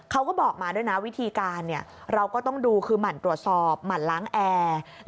เขาก็บอกมาด้วยนะวิธีการเราก็ต้องดูคือหมั่นตรวจสอบหมั่นล้างแอร์